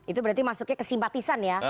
itu berarti masuknya kesimpatisan ya